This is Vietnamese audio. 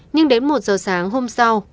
nhưng đến một giờ sáng hôm sau